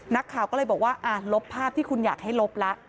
นักข่าวก็เลยบอกว่าลบภาพที่คุณอยากให้ลบละ